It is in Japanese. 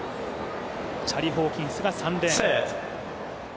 チャリ・ホーキンスが３レーン。